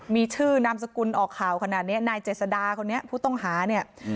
มีชื่อนามสกุลออกข่าวขนาดนี้นายเจษดาคนนี้ผู้ต้องหาเนี่ย